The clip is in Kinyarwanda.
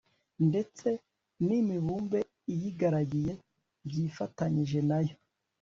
ndetse n'imibumbe iyigaragiye byifatanyije nayo